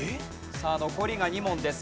さあ残りが２問です。